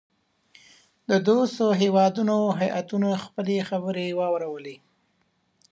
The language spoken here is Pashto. د دوستو هیوادو هیاتونو خپلي خبرې واورلې.